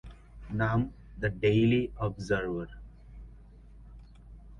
নাম the Daily observer.